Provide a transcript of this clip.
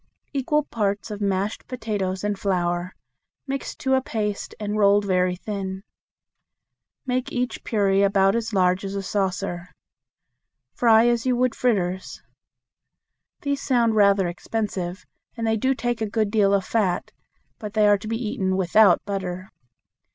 Equal parts of mashed potatoes and flour, mixed to a paste and rolled very thin. Make each puri about as large as a saucer. Fry as you would fritters. These sound rather expensive, and they do take a good deal of fat; but they are to be eaten without butter.